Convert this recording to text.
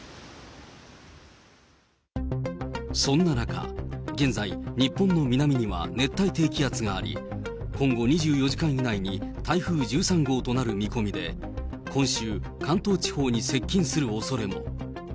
そんな中、現在、日本の南には熱帯低気圧があり、今後２４時間以内に台風１３号となる見込みで、今週、関東地方に接近するおそれも。